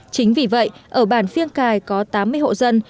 chính vì vậy ở bản phiêng cài có tám mươi hộ dân